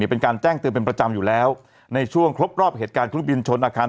เป็นการแจ้งเตือนเป็นประจำอยู่แล้วในช่วงครบรอบเหตุการณ์เครื่องบินชนอาคาร